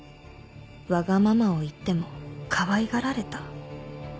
「わがままを言ってもかわいがられた」